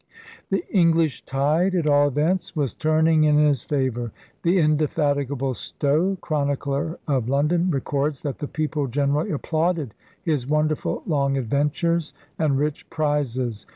The English tide, at all events, was turning in his favor. The indefatigable Stowe, chronicler of London, records that *the people generally applauded his wonderful long adven tures and rich prizes.